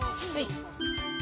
はい。